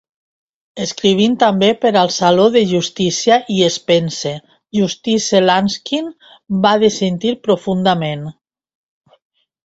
Escrivint també per al Saló de Justícia i Spence, Justice Laskin va dissentir profundament.